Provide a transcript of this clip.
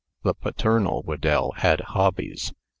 The paternal Whedell had hobbies.